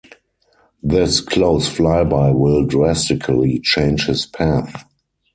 This close flyby will drastically change his path.